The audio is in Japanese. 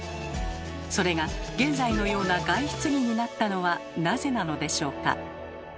それが現在のような外出着になったのはなぜなのでしょうか？